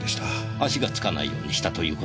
足が付かないようにしたという事でしょうか？